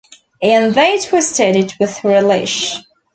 And they twisted it with relish.